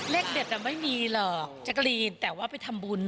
เลขเด็ดไม่มีหรอกจักรีนแต่ว่าไปทำบุญ